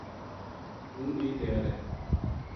ہوں بی تیار ہے‘‘